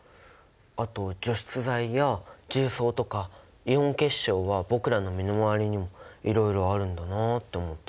あと除湿剤や重曹とかイオン結晶は僕らの身の回りにもいろいろあるんだなって思った。